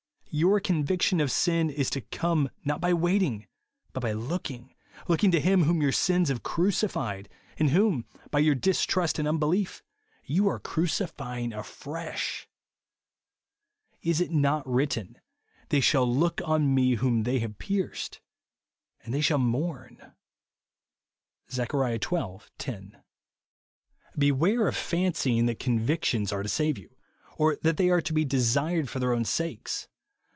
Your conviction of sin is to come not by waiting, but by looking ; looking to Him whom your sins have crucified, and whom, by your distrust and unbelief, you are crucifying afresh. 160 INSENSIBILITV. Is it not written, " They shall look on me whom they have pierced, and they shall mourn T (Zech. xii. 10). Beware of fancying that convictions are to save you, or that they are to be desired for their own sakes.